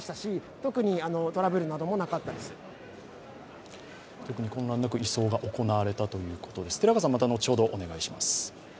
特に混乱もなく移送も行われたということです。